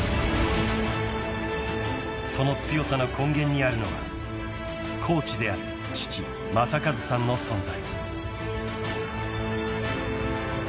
［その強さの根源にあるのはコーチである父正和さんの存在］